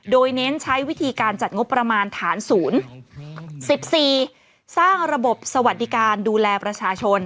โดยเน้นใช้วิธีการจัดงบประมาณฐานศูนย์๑๔สร้างระบบสวัสดิการดูแลประชาชน